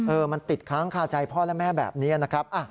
มันติดค้างคาใจพ่อและแม่แบบนี้นะครับ